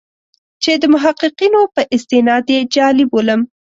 چې د محققینو په استناد یې جعلي بولم.